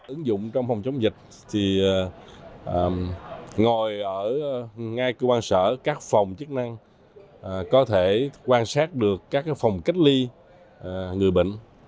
ứng dụng trong phòng chống dịch thì ngồi ở ngay cơ quan sở các phòng chức năng có thể quan sát được các phòng cách ly người bệnh